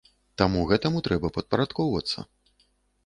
Таму гэтаму трэба падпарадкоўвацца.